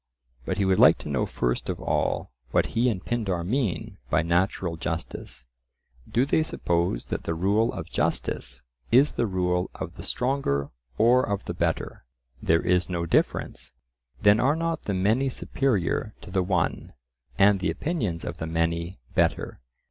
But he would like to know first of all what he and Pindar mean by natural justice. Do they suppose that the rule of justice is the rule of the stronger or of the better?" "There is no difference." Then are not the many superior to the one, and the opinions of the many better?